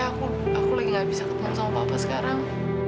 aku lagi gak bisa ketemu sama papa sekarang